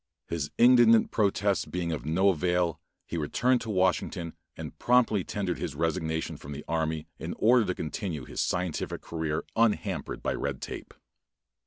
His indignant protests being of no avail, he returned to Washington and promptly tendered his resignation from the army in order to continue his scientific career unhampered by red tape.